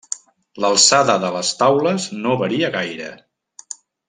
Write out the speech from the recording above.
L’alçada de les taules no varia gaire.